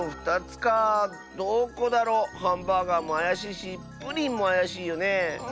どこだろう？ハンバーガーもあやしいしプリンもあやしいよねえ。